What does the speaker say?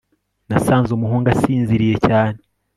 nasanze umuhungu asinziriye cyane